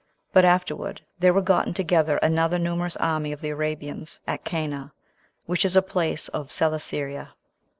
But afterward there were gotten together another numerous army of the Arabians, at Cana, which is a place of Celesyria.